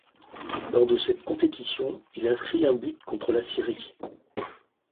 Lors de cette compétition, il inscrit un but contre la Syrie.